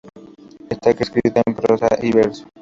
Está escrito en prosa y verso.